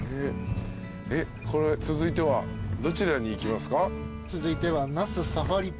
続いてはどちらに行きますか？